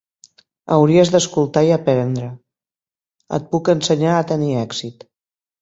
Hauries d'escoltar i aprendre. Et puc ensenyar a tenir èxit